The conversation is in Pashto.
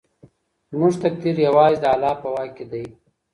زموږ تقدیر یوازې د الله په واک کې دی.